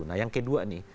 nah yang kedua nih